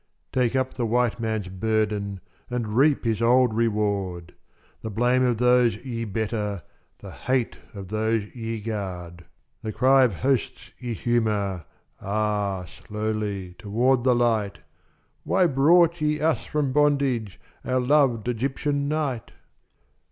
Take up the White Man's burden And reap his old reward; The blame of those ye better, The hate of those ye guard The cry of hosts ye humour (Ah, slowly!) toward the light: "Why brought ye us from bondage, Our loved Egyptian night?"